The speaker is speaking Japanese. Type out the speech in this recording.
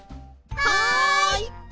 はい！